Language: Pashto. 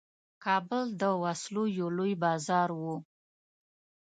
کابل د وسلو یو لوی بازار وو.